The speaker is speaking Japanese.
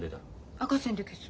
赤線で消す。